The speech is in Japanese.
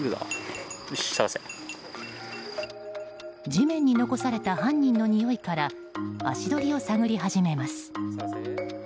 地面に残された犯人のにおいから足取りを探り始めます。